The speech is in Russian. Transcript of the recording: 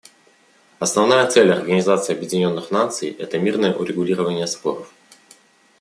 Основная цель Организации Объединенных Наций — это мирное урегулирование споров.